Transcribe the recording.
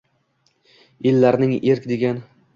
Ellarning erk degan